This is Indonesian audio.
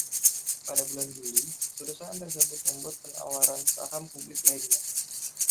Pada bulan Juli, perusahaan tersebut membuat penawaran saham publik lainnya.